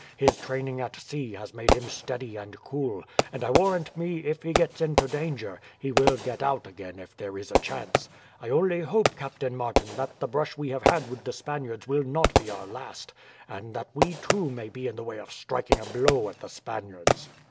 His training at sea has made him steady and cool; and I warrant me, if he gets into danger, he will get out again if there is a chance. I only hope, Captain Martin, that the brush we have had with the Spaniards will not be our last, and that we too may be in the way of striking a blow at the Spaniards."